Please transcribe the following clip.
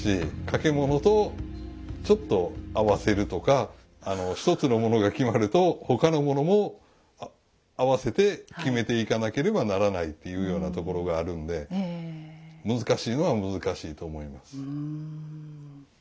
掛物とちょっと合わせるとか１つのものが決まると他のものもあわせて決めていかなければならないっていうようなところがあるんで難しいのは難しいと思います。